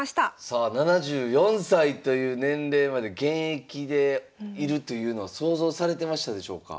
さあ７４歳という年齢まで現役でいるというのは想像されてましたでしょうか？